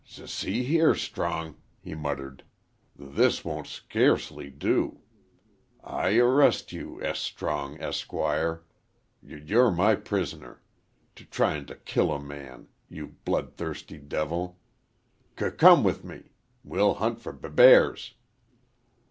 "S see here, Strong," he muttered, "th this won't scurcely do. I arrest you, S. Strong, Esquire. Y you're my prisoner. T tryin' t' kill a man you b bloodthirsty devil! C come with me. We'll hunt fer b bears."